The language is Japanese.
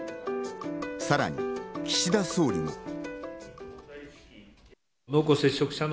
さらに岸田総理も。